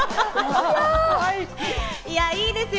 いや、いいですよ。